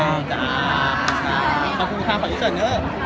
ขอบคุณค่ะขออีกส่วนหนึ่ง